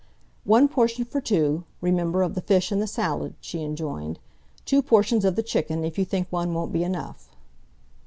"One portion for two, remember, of the fish and the salad," she enjoined. "Two portions of the chicken, if you think one won't be enough."